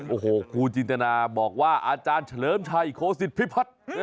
โอ้โหครูจินตนาบอกว่าอาจารย์เฉลิมชัยโคสิตพิพัฒน์